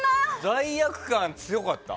罪悪感強かった？